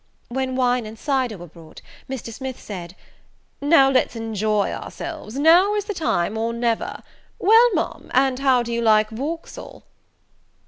When wine and cyder were brought, Mr. Smith said, "Now let's enjoy ourselves; now is the time, or never. Well, Ma'am, and how do you like Vauxhall?"